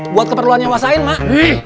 buat keperluannya wasain mak